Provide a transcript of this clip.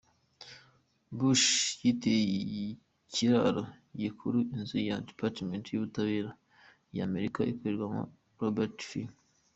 Bush yitiriye Icyiraro gikuru Inzu ya Departema yUbutabera ya Amerika ikoreramo Robert F.